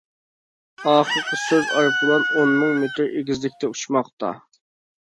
ئاخىرقى سۆز ئايروپىلان ئون مىڭ مېتىر ئېگىزلىكتە ئۇچماقتا.